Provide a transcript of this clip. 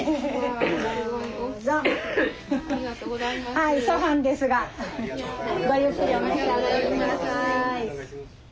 はい粗飯ですがごゆっくりお召し上がり下さい。